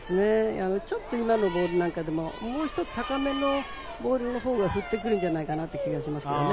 ちょっと今のボールなんかでも、もう一つ高めのボールのほうが振ってくるんじゃないかっていう気がしますね。